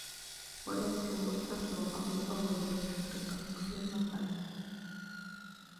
وَلَا يَطْلُبُ الْآخِرَ قَبْلَ الْأَوَّلِ ، وَلَا الْحَقِيقَةَ قَبْلَ الْمَدْخَلِ